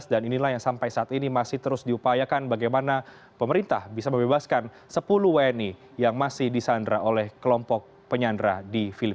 dan inilah yang sampai saat ini masih terus diupayakan bagaimana pemerintah bisa membebaskan sepuluh wni yang masih disandra oleh kelompok penyandra di perumahan